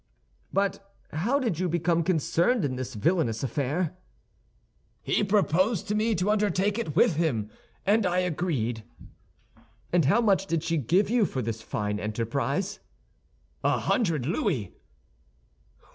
"But how did you become concerned in this villainous affair?" "He proposed to me to undertake it with him, and I agreed." "And how much did she give you for this fine enterprise?" "A hundred louis."